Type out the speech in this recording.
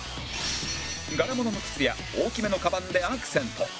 柄物の靴や大きめのかばんでアクセント